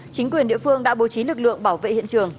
chính quyền địa phương đã bố trí lực lượng bảo vệ hiện trường